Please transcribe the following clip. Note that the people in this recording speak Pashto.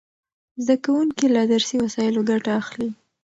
زده کوونکي له درسي وسایلو ګټه اخلي.